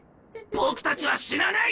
僕たちは死なない！